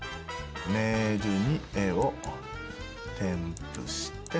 メールに絵を添付して。